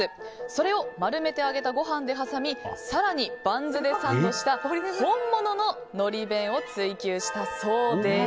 それを丸めて揚げたごはんで挟み更にバンズでサンドした本物ののり弁を追求したそうです。